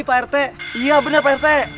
pak rt iya benar pak rt